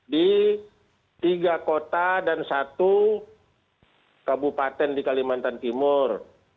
di tiga kota dan satu kabupaten di kalimantan timur